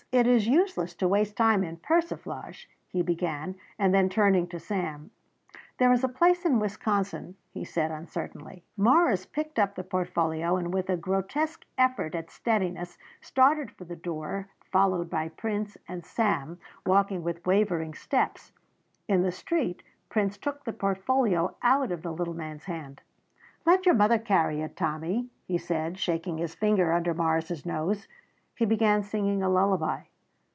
"It is useless to waste time in persiflage," he began and then turning to Sam, "There is a place in Wisconsin," he said uncertainly. Morris picked up the portfolio and with a grotesque effort at steadiness started for the door followed by Prince and Sam walking with wavering steps. In the street Prince took the portfolio out of the little man's hand. "Let your mother carry it, Tommy," he said, shaking his finger under Morris's nose. He began singing a lullaby.